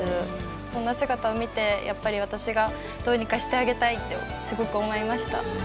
こんな姿を見てやっぱり私がどうにかしてあげたいってすごく思いました。